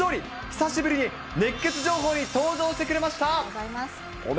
久しぶりに熱ケツ情報に登場してくれました。